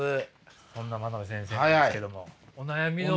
そんな真鍋先生なんですけどもお悩みの方を。